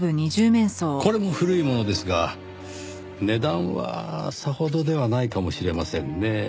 これも古いものですが値段はさほどではないかもしれませんねぇ。